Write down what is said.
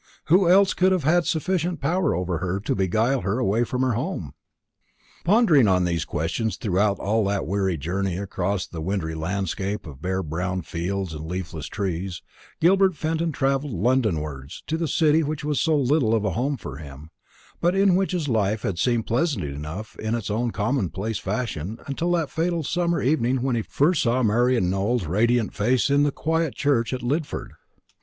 Who else could have had sufficient power over her to beguile her away from her home? Pondering on these questions throughout all that weary journey across a wintry landscape of bare brown fields and leafless trees, Gilbert Fenton travelled London wards, to the city which was so little of a home for him, but in which his life had seemed pleasant enough in its own commonplace fashion until that fatal summer evening when he first saw Marian Nowell's radiant face in the quiet church at Lidford.